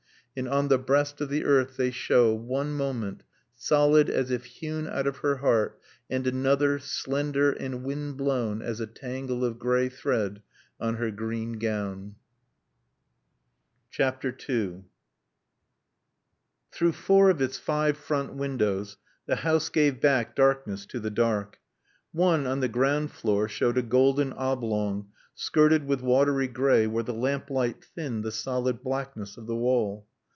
And on the breast of the earth they show, one moment, solid as if hewn out of her heart, and another, slender and wind blown as a tangle of gray thread on her green gown. II Through four of its five front windows the house gave back darkness to the dark. One, on the ground floor, showed a golden oblong, skirted with watery gray where the lamp light thinned the solid blackness of the wall.